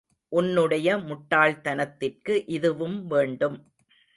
உன்னுடைய முட்டாள்தனத்திற்கு இதுவும் வேண்டும்.